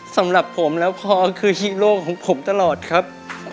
สำหรับผมแล้วพอคือฮีโร่ของผมตลอดครับ